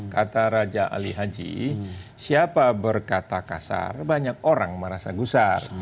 kata raja ali haji siapa berkata kasar banyak orang merasa gusar